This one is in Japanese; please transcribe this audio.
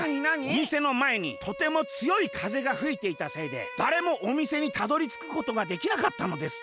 「おみせのまえにとてもつよいかぜがふいていたせいでだれもおみせにたどりつくことができなかったのです。